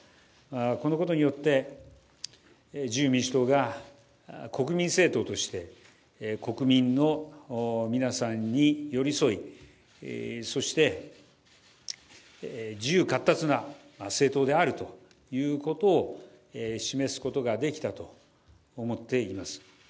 このことによって、自由民主党が国民政党として国民の皆さんに寄り添いそして自由闊達な政党であるということを示すことができたと思っています。